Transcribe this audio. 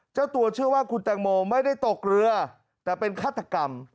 เจ้าตัวเชื่อว่าคุณแตงโมไม่ได้ตกเรือแต่เป็นฆาตกรรม